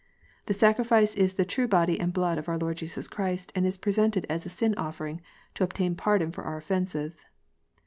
" The sacrifice is the true body and blood of our Lord Jesus Christ, and is presented as a sin offering to obtain pardon for our offences."